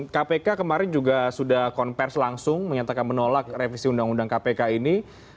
kpk kemarin juga sudah konversi langsung menyatakan menolak revisi undang undang kpk ini